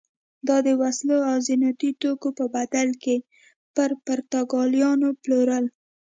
دا د وسلو او زینتي توکو په بدل کې پر پرتګالیانو پلورل.